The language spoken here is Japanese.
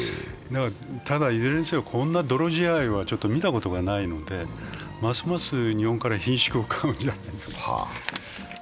いずれにせよ、こんな泥仕合は見たことがないので、ますます日本からひんしゅくを買うんじゃないかなと。